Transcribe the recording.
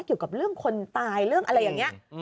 เกี่ยวกับเรื่องคนตายเรื่องอะไรอย่างนี้